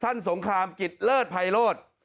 ท่านสงครามกิดเลิศไพโลต